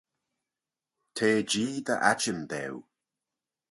T'eh Jee dy atçhim daue.